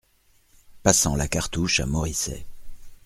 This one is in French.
Passant la cartouche à Moricet.